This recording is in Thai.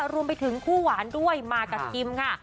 รวมไปถึงคู่หวานด้วยมากับคิมค่ะ